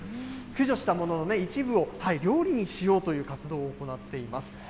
駆除したものの一部を料理にしようという活動を行っています。